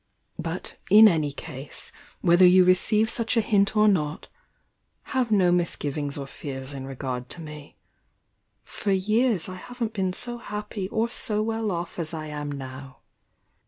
But, in any case, whether you receive such a hint or not, have no misgivings or fears in regard to me; — for years I haven't been so happy or so well off as I am now.